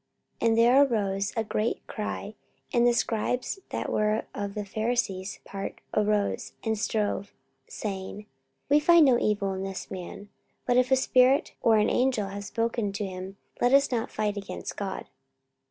44:023:009 And there arose a great cry: and the scribes that were of the Pharisees' part arose, and strove, saying, We find no evil in this man: but if a spirit or an angel hath spoken to him, let us not fight against God.